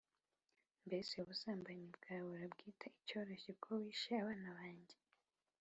Mbese ubusambanyi bwawe urabwita icyoroshye ko wishe abana banjye